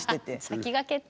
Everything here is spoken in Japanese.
先駆けって！